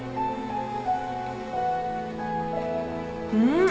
うん！